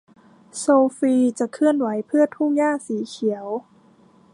โซฟีจะเคลื่อนไหวเพื่อทุ่งหญ้าสีเขียว